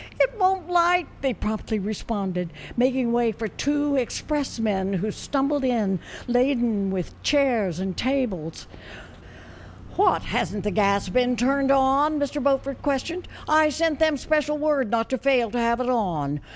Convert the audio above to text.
" It won't light," they promptly responded, mak ing way for two expressmen who stumbled in, laden with chairs and tables. " What, has n't the gas been turned on ?" Mr. Beaufort questioned ;" I sent them special word not to fail to have it on.